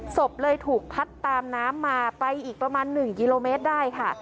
ศพเลยถูกพัดตามน้ำมาไปอีกประมาณ๑กิโลเมตรได้ค่ะ